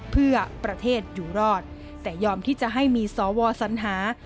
เพื่อประเทศอยู่รอดแต่ยอมที่จะให้มีสวสัญหา